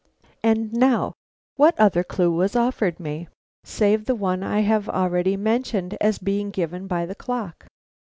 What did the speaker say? And now what other clue was offered me, save the one I have already mentioned as being given by the clock?